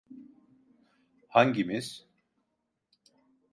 Hangimiz?